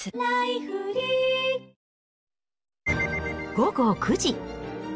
午後９時。